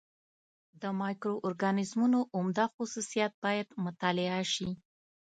د مایکرو اورګانیزمونو عمده خصوصیات باید مطالعه شي.